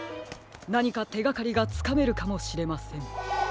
なにかてがかりがつかめるかもしれません。